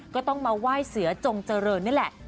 ก็ต้องมาไหว้เสือจงเจริญนี่แหละ